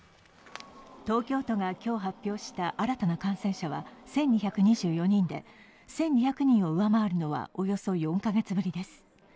東京都が今日発表した新たな感染者は１２２４人で、１２００人を上回るのはおよそ４カ月ぶりです。